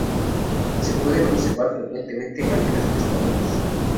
Se pueden observar frecuentemente águilas pescadoras.